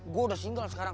gue udah single sekarang